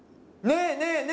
ねえねえ！